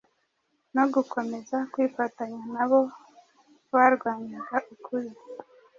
no gukomeza kwifatanya n’abo barwanyaga ukuri,